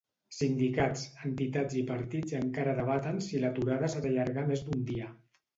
Sindicats, entitats i partits encara debaten si l'aturada s'ha d'allargar més d'un dia.